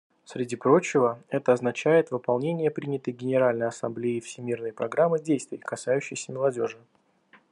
Среди прочего, это означает выполнение принятой Генеральной Ассамблеей Всемирной программы действий, касающейся молодежи.